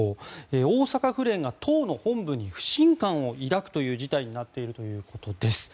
大阪府連が党の本部に不信感を抱く事態になっているということです。